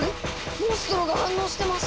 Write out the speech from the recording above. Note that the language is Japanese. モンストロが反応してます！